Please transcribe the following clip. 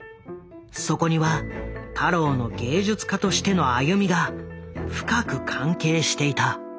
そこには太郎の芸術家としての歩みが深く関係していた。